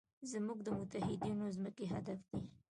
زموږ د متحدینو ځمکې هدف دی.